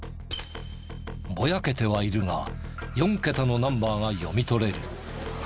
ぼやけてはいるが４桁のナンバーが読み取れる。